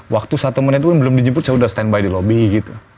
waktu satu menit pun belum dijemput saya udah standby di lobby gitu